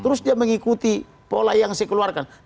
terus dia mengikuti pola yang saya keluarkan